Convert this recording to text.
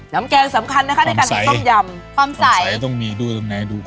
น้ำแกงสำคัญนะคะในการทำยำความใสต้องมีดูตรงไหนดูขอบ